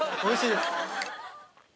おいしい？